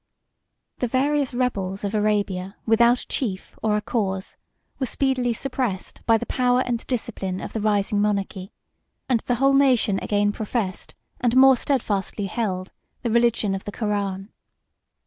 The various rebels of Arabia without a chief or a cause, were speedily suppressed by the power and discipline of the rising monarchy; and the whole nation again professed, and more steadfastly held, the religion of the Koran.